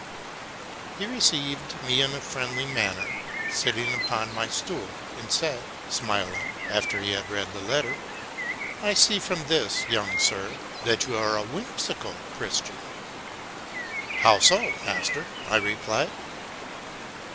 He received me in a friendly manner, sitting upon his stool, and said, smiling, after he had read the letter, '' I see from this, young sir, that you are a whimsical Christian.'' —'' How so, master?'' I replied.